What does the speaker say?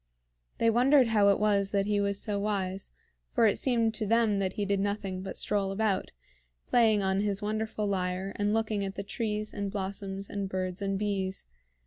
They wondered how it was that he was so wise; for it seemed to them that he did nothing but stroll about, playing on his wonderful lyre and looking at the trees and blossoms and birds and bees.